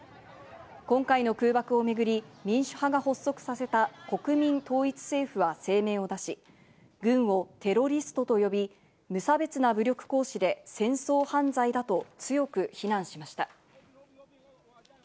今回の空爆をめぐり民主派が発足させた国民統一政府は声明を出し、軍をテロリストと呼び、無差別な武力行使で戦争犯罪だと強く非難しました。